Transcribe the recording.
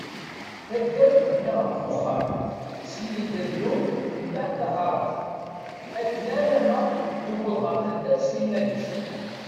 Taddart, tebna ɣef uxxam, syin n d adrum mbeɛd d taqrart, akken alamma tewwḍeḍ ɣer taddart s timmad-is.